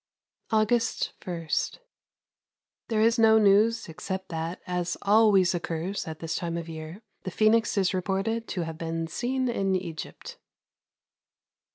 August 1. There is no news except that, as always occurs at this time of year, the Phœnix is reported to have been seen in Egypt.